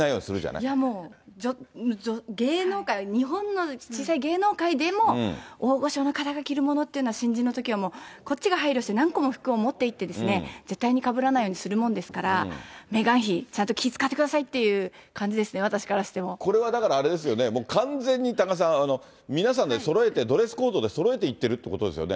いやもう、芸能界、日本の小さい芸能界でも、大御所の方が着るものっていうのは、新人のときは、こっちが配慮して、何個も服持っていくわけですから、絶対にかぶらないようにするもんですから、メーガン妃、ちゃんと気遣ってくださいというこれはだからあれですよね、もう完全に多賀さん、皆さんでそろえてドレスコードでそろえていってるってことですよね。